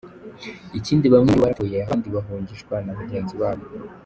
Ikindi bamwe muri bo barapfuye, abandi bahungishwa na bagenzi babo”.